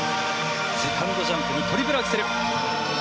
セカンドジャンプにトリプルアクセル。